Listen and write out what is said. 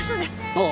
ああ。